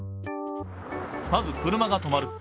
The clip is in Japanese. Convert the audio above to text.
まず車が止まる。